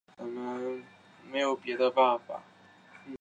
毕业于华中科技大学流行病学与卫生统计学专业。